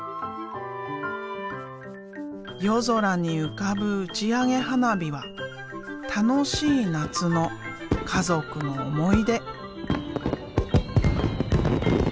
夜空に浮かぶ打ち上げ花火は楽しい夏の家族の思い出。